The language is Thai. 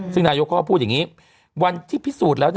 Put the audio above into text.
ซึ่งนายกเขาก็พูดอย่างนี้วันที่พิสูจน์แล้ว